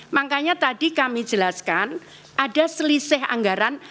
makanya tadi kami jelaskan ada selisih anggaran